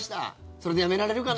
それでやめられるかな？